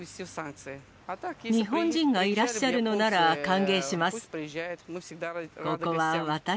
日本人がいらっしゃるのなら歓迎します。